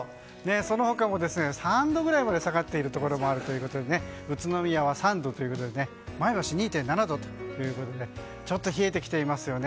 その他も３度くらいまで下がっているところもあるということで宇都宮は３度ということで前橋２．７度ということでちょっと冷えてきていますよね。